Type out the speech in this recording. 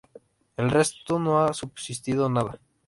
Del resto no ha subsistido nada.